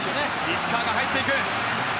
石川が入っていく。